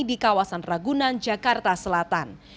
di kawasan ragunan jakarta selatan